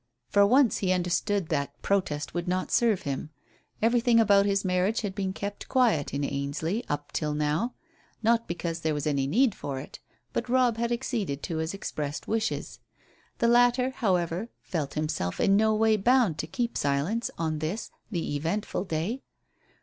For once he understood that protest would not serve him. Everything about his marriage had been kept quiet in Ainsley up till now, not because there was any need for it, but Robb had acceded to his expressed wishes. The latter, however, felt himself in no way bound to keep silence on this, the eventful day.